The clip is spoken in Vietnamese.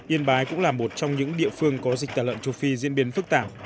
yên bái cũng là một trong những địa phương có dịch tả lợn châu phi diễn biến phức tạp